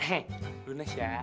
eh lunas ya